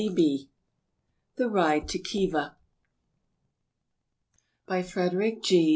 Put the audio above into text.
ASIA The Ride to Khiva By FREDERICK G.